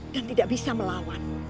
dan tidak bisa melawan